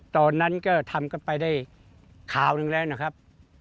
ตอนนั้นก็ทำกันไปได้ข่าวหนึ่งแล้วนะครับ